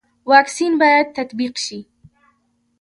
واکسین باید تطبیق شي